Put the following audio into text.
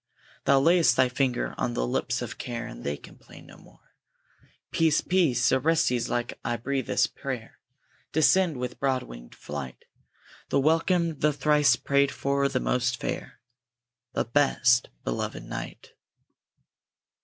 Thou layest thy finger on the lips of Care, And they complain no more. Peace! Peace! Orestes like I breathe this prayer! Descend with broad winged flight, The welcome, the thrice prayed for, the most fair, The best beloved Night!